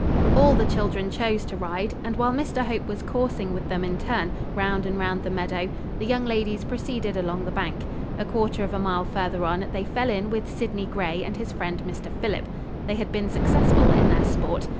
All the children chose to ride; and, while Mr Hope was coursing with them in turn, round and round the meadow, the young ladies proceeded along the bank. A quarter of a mile further on, they fell in with Sydney Grey and his friend Mr Philip. They had been successful in their sport.